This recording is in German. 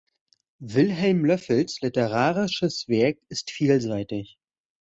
Wilhelm Löffels literarisches Werk ist vielseitig.